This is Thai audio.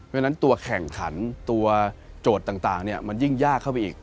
เพราะฉะนั้นตัวแข่งขันตัวโจทย์ต่างมันยิ่งยากเข้าไปอีก